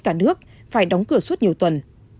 cả nước phải đóng cửa suốt nhiều tuần